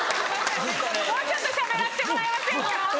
もうちょっとしゃべらせてもらえませんか？